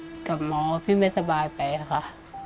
พี่ไปตรวจกับหมอพี่ไม่สบายไปค่ะ